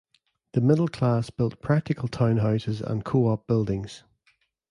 The middle class built practical townhouses and coop buildings.